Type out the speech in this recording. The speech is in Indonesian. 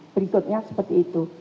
berikutnya seperti itu